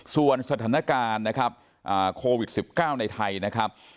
ส่วนสถานการณ์นะครับโควิด๑๙ในไทยนะครับ